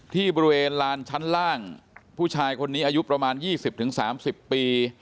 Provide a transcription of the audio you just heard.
ที่บริเวณลานชั้นล่างผู้ชายคนนี้อายุประมาณยี่สิบถึงสามสิบปี